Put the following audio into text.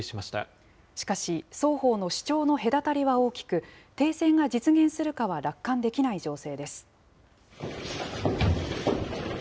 しかし、双方の主張の隔たりは大きく、停戦が実現するかは楽観できない情勢です。